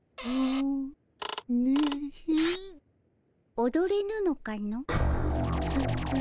おどれぬのかの？